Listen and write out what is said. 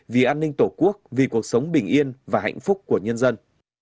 vì an ninh tổ quốc vì cuộc sống bình yên và hạnh phúc của nhân dân